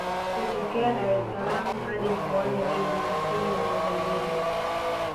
Kutokea Dar es salaam hadi mkoani Lindi kusini mwa Tanzania